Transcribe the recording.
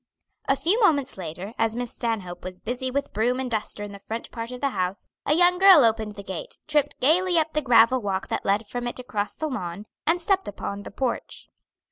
A few moments later, as Miss Stanhope was busy with broom and duster in the front part of the house, a young girl opened the gate, tripped gayly up the gravel walk that led from it across the lawn, and stepped upon the porch.